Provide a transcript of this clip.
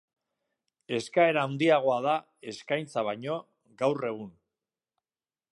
Eskaera handiagoa da, eskaintza baino, gaur egun.